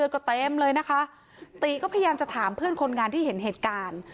ก็เต็มเลยนะคะตีก็พยายามจะถามเพื่อนคนงานที่เห็นเหตุการณ์